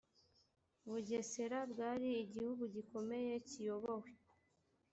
bugesera bwari igihugu gikomeye kiyobowe